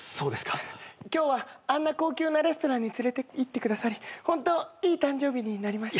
今日はあんな高級なレストランに連れていってくださりホントいい誕生日になりました。